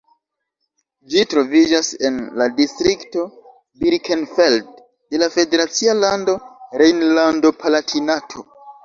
Ĝi troviĝas en la distrikto Birkenfeld de la federacia lando Rejnlando-Palatinato.